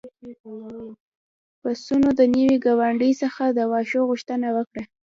پسونو د نوي ګاونډي څخه د واښو غوښتنه وکړه.